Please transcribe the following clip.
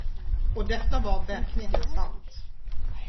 Och detta var verkligen sant.